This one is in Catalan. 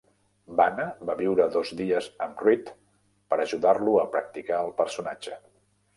Bana va viure dos dies amb Read per ajudar-lo a practicar el personatge.